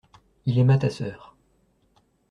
Il aima ta sœur.